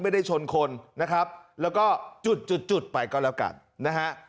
ไม่ได้ชนคนนะครับแล้วก็จุดจุดจุดไปก็แล้วกันนะฮะ